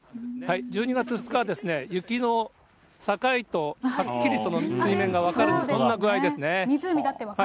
１２月２日は雪の境とはっきりその水面が分かるんです、こんな具湖だって分かりますね。